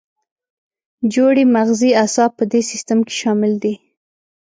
جوړې مغزي اعصاب په دې سیستم کې شامل دي.